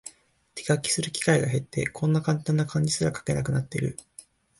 手書きする機会が減って、こんなカンタンな漢字すら書けなくなってる